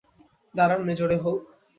দাঁড়ান, major a-hole!